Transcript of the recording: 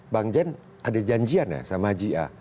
bang jen ada janjian ya sama haji a